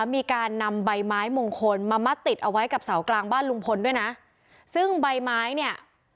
มีการนำใบไม้มงคลมามัดติดเอาไว้กับเสากลางบ้านลุงพลด้วยนะซึ่งใบไม้เนี่ย